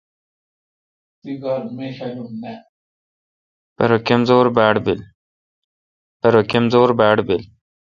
پرہ کمزور باڑ بل۔